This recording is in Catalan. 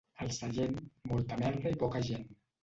El Sallent, molta merda i poca gent.